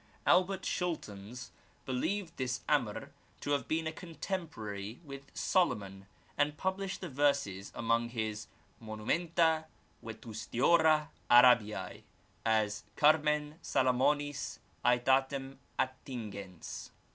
Albert Schultens believed this Amr to have been contemporary with Solomon, and published the verses among his ^ Monumenta Vetustiora Arabise,' as ^ Carmen Salamonis setatem attingens.'